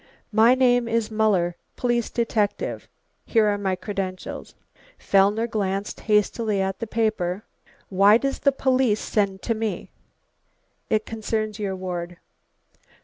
"My name is Muller, police detective. Here are my credentials." Fellner glanced hastily at the paper. "Why does the police send to me?" "It concerns your ward."